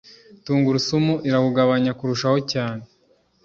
tungurusumu irawugabanya kurushaho cyane